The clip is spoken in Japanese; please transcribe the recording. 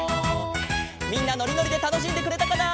みんなのりのりでたのしんでくれたかな？